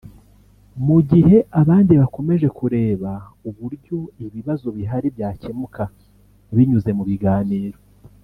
mu gihe abandi bakomeje kureba uburyo ibibazo bihari byakemuka binyuze mu biganiro